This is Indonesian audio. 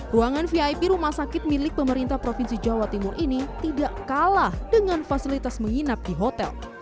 ruangan vip rumah sakit milik pemerintah provinsi jawa timur ini tidak kalah dengan fasilitas menginap di hotel